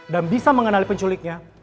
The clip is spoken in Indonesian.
dan bisa mengenali penculiknya